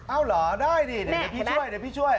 เอ้าเหรอได้ดิเดี๋ยวพี่ช่วย